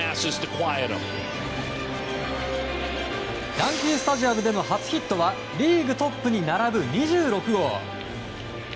ヤンキー・スタジアムでの初ヒットはリーグトップに並ぶ２６号。